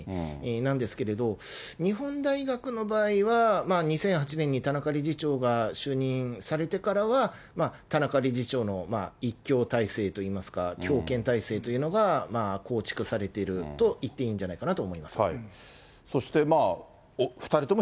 なんですけれど、日本大学の場合は、２００８年に田中理事長が就任されてからは、田中理事長の一強体制といいますか、強権体制というのが構築されているといっていいんじゃないかなとそして２人とも